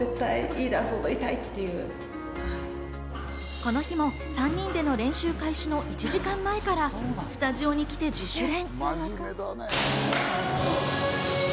この日も３人での練習開始の１時間前からスタジオに来て自主練。